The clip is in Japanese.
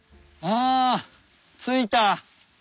あ着いた。